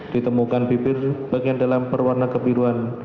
ditemukan bibir bagian dalam berwarna kebiruan